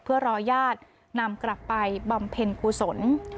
เพื่อรอญาตินำกลับไปบำเพ็ญกุศล